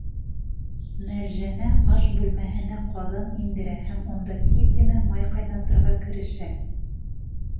Мәржәнә аш бүлмәһенә ҡаҙан индерә һәм унда тиҙ генә май ҡайнатырға керешә.